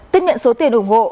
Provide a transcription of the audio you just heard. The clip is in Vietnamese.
tiếp nhận số tiền ủng hộ